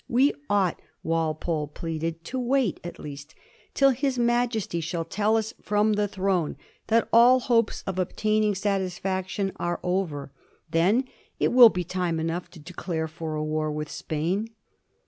" We ought," Walpole pleaded, " to wait, at least, till his Majesty shall tell us from the throne that all hopes of obtaining satisfaction are over. Then it will be time enough to declare for a war with Spain."